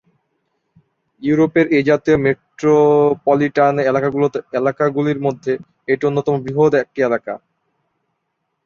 ইউরোপের এ জাতীয় মেট্রোপলিটান এলাকাগুলির মধ্যে এটি অন্যতম বৃহৎ একটি এলাকা।।